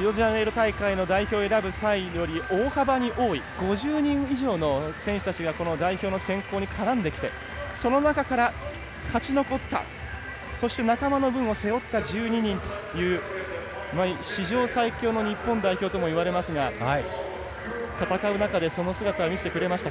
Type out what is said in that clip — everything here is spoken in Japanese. リオデジャネイロ大会の３位より大幅に多い５０人以上の選手たちが代表に絡んできてそこから勝ち残ったそして仲間の分を背負った１２人史上最強の日本といわれますが戦う中でその姿を見せてくれましたか？